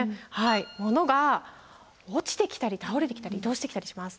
モノが落ちてきたり倒れてきたり移動してきたりします。